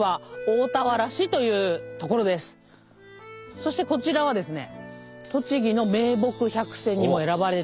そしてこちらはですね